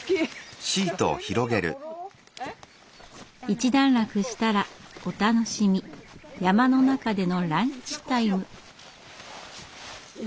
一段落したらお楽しみ山の中でのランチタイム。